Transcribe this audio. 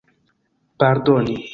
pardoni